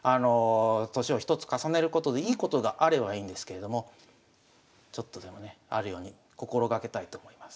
年を１つ重ねることでいいことがあればいいんですけれどもちょっとでもねあるように心掛けたいと思います。